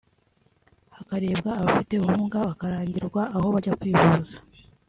hakarebwa abafite ubumuga bakarangirwa aho bajya kwivuza